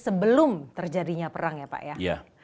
sebelum terjadinya perang ya pak ya